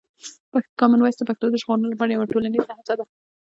کامن وایس د پښتو د ژغورلو لپاره یوه ټولنیزه هڅه ده.